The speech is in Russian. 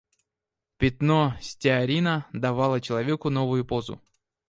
Пятно стеарина давало человеку новую позу.